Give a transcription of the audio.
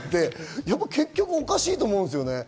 結局おかしいと思うんですよね。